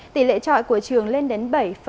tỷ lệ trọi của trường lên đến bảy bốn mươi ba